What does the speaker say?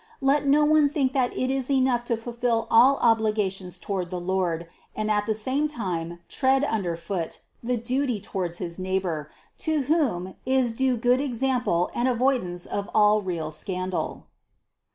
Let no one think that it is enough to fulfill all obligations toward the Lord, and at the same time tread under foot the duty towards his neighbor, to whom is due good example and avoidance of all real scandal.